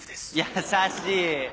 優しい。